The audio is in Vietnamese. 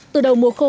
từ đầu mùa khô